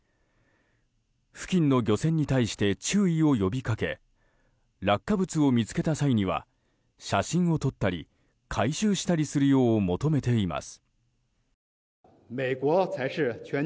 付近の漁船に対して注意を呼びかけ落下物を見つけた際には写真を撮ったり回収したりするよう求めています。